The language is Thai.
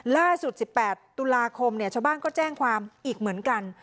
ล่าสุดสิบแปดตุลาคมเนี่ยชาวบ้านก็แจ้งความอีกเหมือนกัน